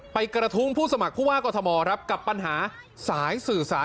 กระทุ้งผู้สมัครผู้ว่ากรทมครับกับปัญหาสายสื่อสาร